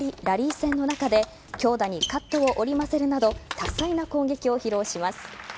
ラリー戦の中で強打にカットを織り交ぜるなど多彩な攻撃を披露します。